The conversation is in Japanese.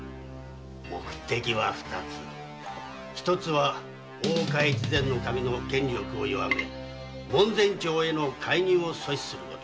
目的の一つは大岡越前守の権力を弱め門前町への介入を阻止すること。